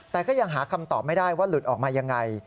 แต่ก็ยังหาคำตอบไม่ได้ว่าหลุดออกมายังไง